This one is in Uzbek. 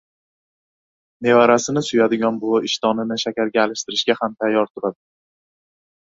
• Nevarasini suyadigan buvi ishtonini shakarga alishtirishga ham tayyor turadi.